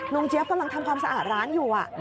เจี๊ยบกำลังทำความสะอาดร้านอยู่